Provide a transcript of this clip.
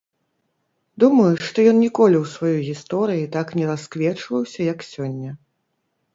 Думаю, што ён ніколі ў сваёй гісторыі так не расквечваўся, як сёння.